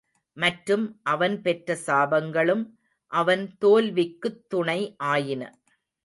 மற்றும் அவன் பெற்ற சாபங்களும் அவன் தோல்விக்குத் துணை ஆயின.